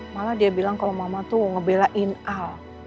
malah dia bilang kalau mama tuh ngebelain al